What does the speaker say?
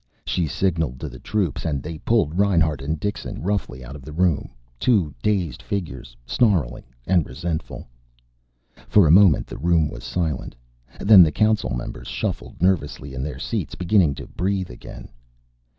She signalled to the troops and they pulled Reinhart and Dixon roughly out of the room, two dazed figures, snarling and resentful. For a moment the room was silent. Then the Council members shuffled nervously in their seats, beginning to breathe again.